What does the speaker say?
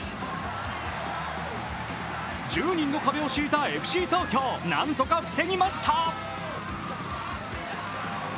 １０人の壁を敷いたＦＣ東京、なんとか防ぎました。